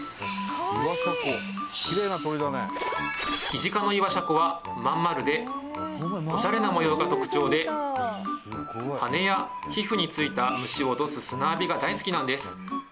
キジ科のイワシャコは真ん丸でオシャレな模様が特徴で羽や皮膚についた虫を落とす砂浴びが大好きなんです